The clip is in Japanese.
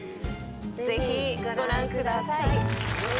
ぜひご覧ください。